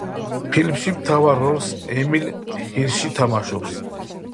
ფილმში მთავარ როლს ემილ ჰირში თამაშობს.